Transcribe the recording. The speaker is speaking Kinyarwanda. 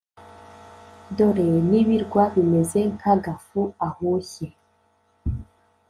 Dore n’ibirwa bimeze nk’agafu ahushye !